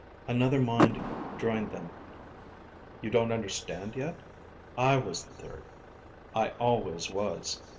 _ Another mind joined them. _You don't understand yet? I was the third, I always was.